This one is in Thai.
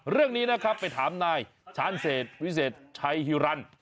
เรื่องนี้นะครับไปถามนายชาญเศษวิเศษชัยฮิรันดิ